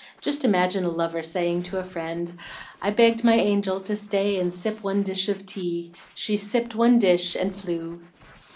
Just imagine a lover saying to a friend, 'I begged my angel to stay and sip one dish of tea. She sipped one dish and flew.'"